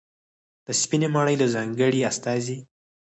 د سپینې ماڼۍ له ځانګړې استازي